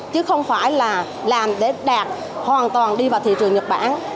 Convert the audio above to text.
chứ không phải là làm để đạt hoàn toàn đi vào thị trường nhật bản